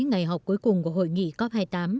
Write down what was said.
ngày họp cuối cùng của hội nghị cop hai mươi tám